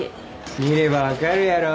見ればわかるやろ？